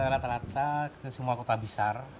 rata rata ke semua kota besar